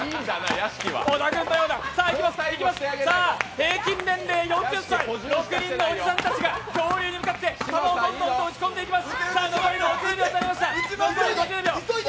平均年齢４０歳、６人のおじさんたちが恐竜に向かって弾をどんどんと撃ち込んでいきます。